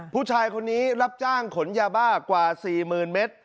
ผู้ชายคนนี้รับจ้างขนยาบ้ากว่า๔๐๐๐เมตร